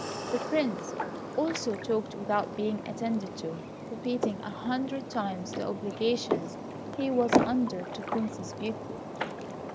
The Prince also talked without being attended to, repeating a hundred times the obligations he was under to Princess Beauty.